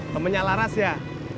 temennya laras ya